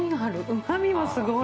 うまみもすごい。